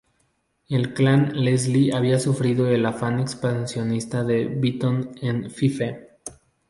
El Clan Leslie había sufrido el afán expansionista de Beaton en Fife.